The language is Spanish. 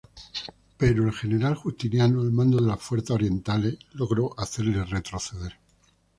Pero el general Justiniano al mando de las fuerzas orientales logró hacerles retroceder.